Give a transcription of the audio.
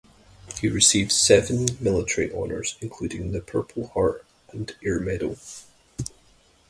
He received seven military honors, including the Purple Heart and Air Medal.